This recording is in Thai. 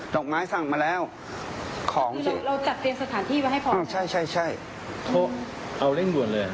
โทษเอาเร่งด่วนเลยครับ